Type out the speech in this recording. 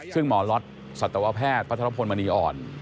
ซึ่งหมอรถสตวแพทย์พระทักษ์พลมณีอ่อน